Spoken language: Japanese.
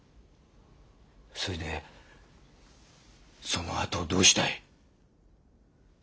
それでそのあとどうしたい？